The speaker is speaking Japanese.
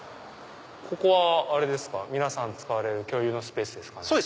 ここは皆さん使われる共有のスペースですかね？